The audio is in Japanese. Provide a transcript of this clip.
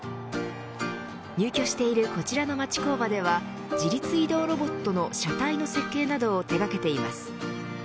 入居しているこちらの町工場では自律移動ロボットの車体の設計などを手がけています。